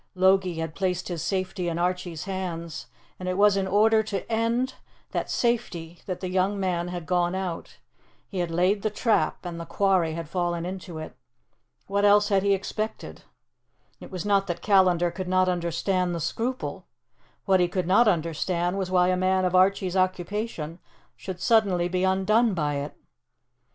Logie had placed his safety in Archie's hands, and it was in order to end that safety that the young man had gone out; he had laid the trap and the quarry had fallen into it. What else had he expected? It was not that Callandar could not understand the scruple; what he could not understand was why a man of Archie's occupation should suddenly be undone by it.